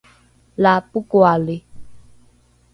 la pokoali?